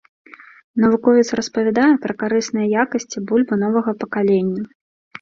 Навуковец распавядае пра карысныя якасці бульбы новага пакалення.